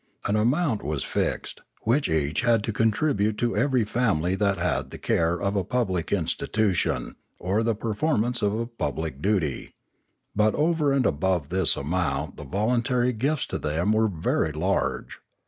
An amount was fixed, which each had to contribute to every family that had the care of a public institution, or the per formance of a public duty. But over and above this amount the voluntary gifts to them were very large.